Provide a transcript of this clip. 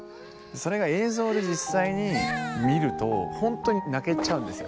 それが映像で実際に見ると本当に泣けちゃうんですよ。